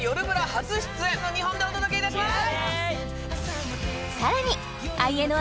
初出演の２本でお届けいたします！